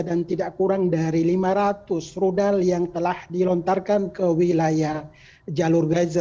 dan tidak kurang dari lima ratus rudal yang telah dilontarkan ke wilayah gaza